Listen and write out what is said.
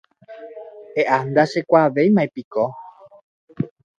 E'a, ndachekuaavéimapiko.